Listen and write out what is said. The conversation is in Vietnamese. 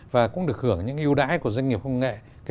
và cũng được hưởng những ưu đãi của doanh nghiệp khoa học và công nghệ